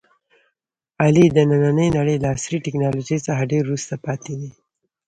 علي د نننۍ نړۍ له عصري ټکنالوژۍ څخه ډېر وروسته پاتې دی.